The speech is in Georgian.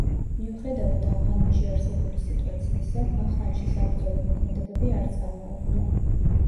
მიუხედავად ავღანეთში არსებული სიტუაციისა ვახანში საბრძოლო მოქმედებები არ წარმოებულა.